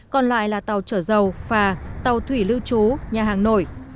còn lại là tàu chở dầu phà tàu thủy lưu trú nhà hàng nổi